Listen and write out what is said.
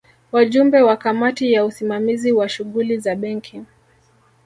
Wajumbe wa Kamati ya Usimamizi wa Shughuli za Benki